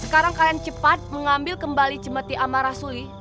sekarang kalian cepat mengambil kembali cemeti amar rasuli